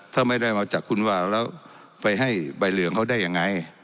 ถ้าไม่ได้มาจากคุณวาวแล้วไปให้ใบเหลืองเขาได้ยังไง